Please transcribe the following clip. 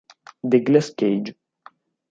The Glass Cage